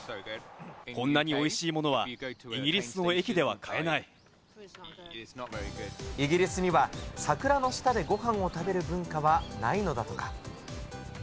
こんなにおいしいものは、イギリスには、桜の下でごはんを食べる文化はないのだとか。